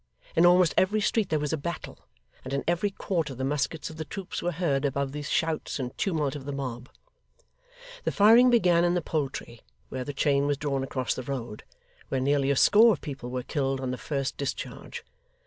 In almost every street, there was a battle; and in every quarter the muskets of the troops were heard above the shouts and tumult of the mob. The firing began in the Poultry, where the chain was drawn across the road, where nearly a score of people were killed on the first discharge.